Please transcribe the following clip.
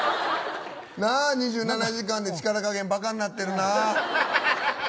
２７時間で力加減、ばかになってんな。